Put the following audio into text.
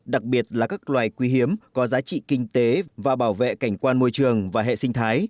đặc biệt là các loài quý hiếm có giá trị kinh tế và bảo vệ cảnh quan môi trường và hệ sinh thái